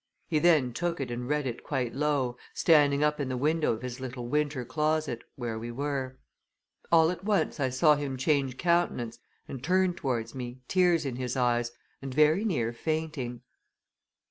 He then took it and read it quite low, standing up in the window of his little winter closet, where we were. All at once I saw him change countenance, and turn towards me, tears in his eyes, and very near fainting.